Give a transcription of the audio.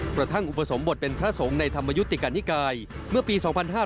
แปลว่าทางอุปสมบัติเป็นทรสงศ์ในธรรมยุติกัณฑิกายเมื่อปี๒๕๑๗